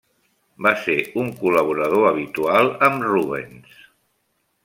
Va ser un col·laborador habitual amb Rubens.